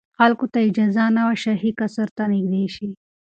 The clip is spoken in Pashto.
خلکو ته اجازه نه وه چې شاهي قصر ته نږدې شي.